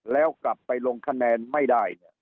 แล้วกลับไปลงคะแนนไม่ได้